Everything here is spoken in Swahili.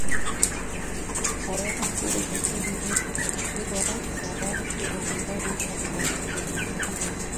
hawako lakini kunakuwa na watu ambao wanatumua